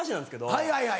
はいはいはい。